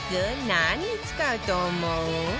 何に使うと思う？